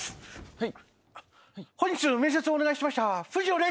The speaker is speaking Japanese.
はい。